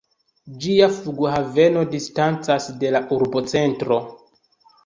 Ĝia flughaveno distancas de la urbocentro.